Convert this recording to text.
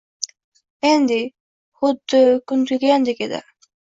Andy? Xuddi kun tugagandek edi